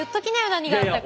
何があったか。